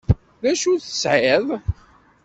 D acu ur tesεiḍ?